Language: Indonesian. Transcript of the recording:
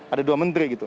ada dua menteri gitu